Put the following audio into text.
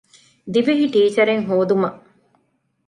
ދިވެހި ޓީޗަރެއް ހޯދުމަށް